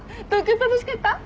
うん楽しかった。